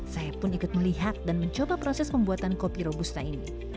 saya pun ikut melihat dan mencoba proses pembuatan kopi robusta ini